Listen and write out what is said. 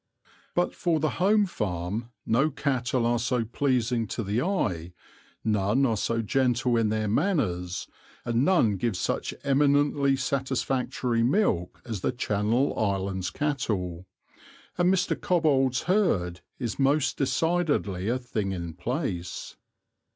But for the home farm no cattle are so pleasing to the eye, none are so gentle in their manners, and none give such eminently satisfactory milk as the Channel Islands cattle; and Mr. Cobbold's herd is most decidedly a thing in place.